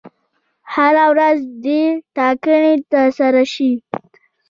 هره ورځ دي ټاکنې ترسره شي.